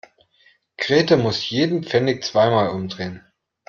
Grete muss jeden Pfennig zweimal umdrehen.